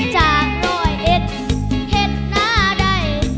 จากร้อยเอ็ดเห็นหน้าใด